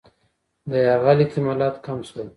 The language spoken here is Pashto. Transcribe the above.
د یرغل احتمالات کم شول.